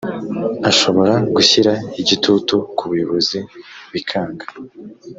ashobora gushyira igitutu kubuyobozi bikanga